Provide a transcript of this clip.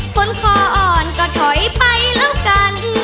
คนคออ่อนก็ถอยไปแล้วกัน